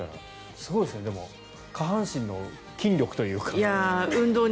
すごいですね下半身の筋力というか。